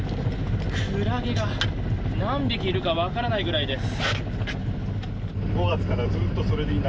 クラゲが何匹いるか分からないぐらいです。